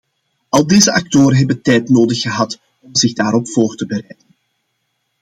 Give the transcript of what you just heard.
Al deze actoren hebben tijd nodig gehad om zich daarop voor te bereiden.